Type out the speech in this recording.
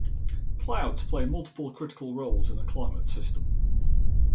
Clouds play multiple critical roles in the climate system.